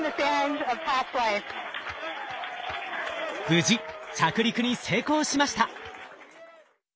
無事着陸に成功しました！